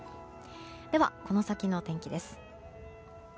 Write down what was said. では、この先の天気です。